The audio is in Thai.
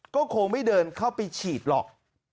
ก็คงไม่เดินเข้าไปฉีดหรอก